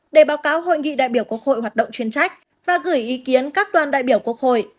để báo cáo hội nghị đại biểu quốc hội hoạt động chuyên trách và gửi ý kiến các đoàn đại biểu quốc hội